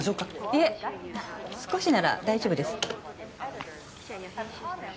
いえ少しなら大丈夫です。